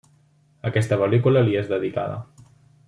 Aquesta pel·lícula li és dedicada.